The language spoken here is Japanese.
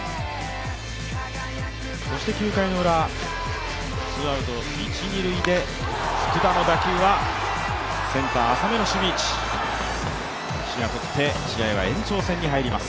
そして９回ウラ、ツーアウト一・二塁で福田の打球はセンター浅めの守備位置、塩見が取って試合は延長戦に入ります。